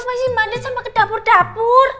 apa sih mbak andin sampai ke dapur dapur